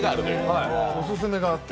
オススメがあって。